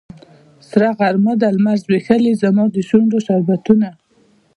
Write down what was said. سره غرمه ده لمر ځبیښلې زما د شونډو شربتونه